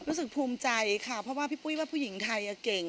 รู้สึกภูมิใจค่ะเพราะว่าพี่ปุ้ยว่าผู้หญิงไทยเก่ง